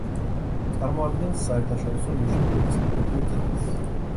წარმოადგენს საერთაშორისო მნიშვნელობის ბუნებრივ ძეგლს.